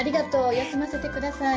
休ませてください。